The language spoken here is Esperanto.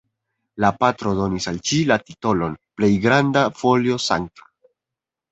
La patro donis al ŝi la titolon "Plejgranda Folio Sankta".